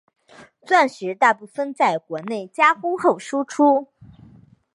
钻石大部份在国内加工后输出。